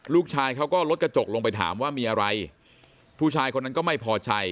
ลูกชายเขาก็ลดกระจกลงไปถามว่ามีอะไรผู้ชายคนนั้นก็ไม่พอใจ